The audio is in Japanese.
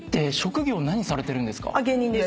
芸人です。